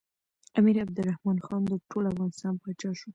امیر عبدالرحمن خان د ټول افغانستان پاچا شو.